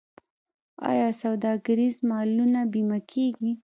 آیا سوداګریز مالونه بیمه کیږي؟